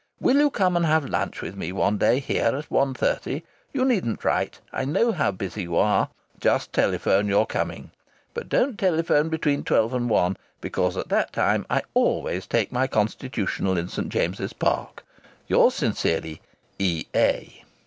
Will you come and have lunch with me one day here at 1.30? You needn't write. I know how busy you are. Just telephone you are coming. But don't telephone between 12 and 1, because at that time I always take my constitutional in St. James's Park. Yours sincerely, E.A."